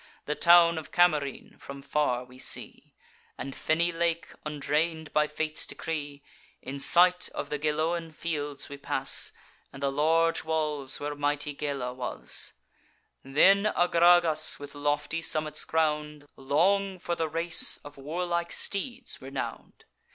The town of Camarine from far we see, And fenny lake, undrain'd by fate's decree. In sight of the Geloan fields we pass, And the large walls, where mighty Gela was; Then Agragas, with lofty summits crown'd, Long for the race of warlike steeds renown'd.